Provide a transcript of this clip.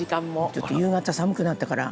「ちょっと夕方寒くなったから」